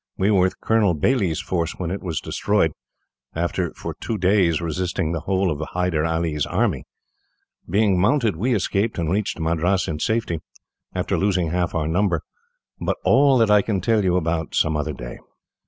We were with Colonel Baillie's force when it was destroyed, after for two days resisting the whole of Hyder All's army. Being mounted, we escaped, and reached Madras in safety, after losing half our number. But all that I can tell you about, some other day.